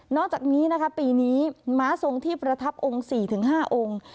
อกจากนี้นะคะปีนี้ม้าทรงที่ประทับองค์๔๕องค์